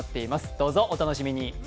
どうぞ、お楽しみに。